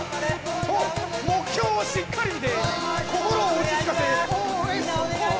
そう目標をしっかり見て心を落ち着かせ。